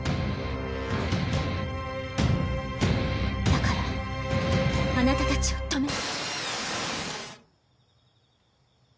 だからあなたたちを止め。